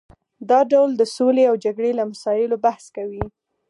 دا ډول د سولې او جګړې له مسایلو بحث کوي